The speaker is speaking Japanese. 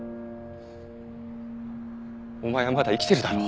お前はまだ生きてるだろ。